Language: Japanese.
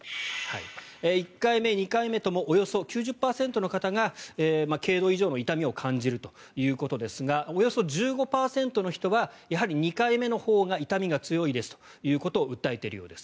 １回目、２回目ともおよそ９０％の方が軽度以上の痛みを感じるということですがおよそ１５％の人はやはり２回目のほうが痛みが強いですということを訴えているようです。